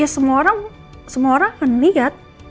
ya semua orang akan melihat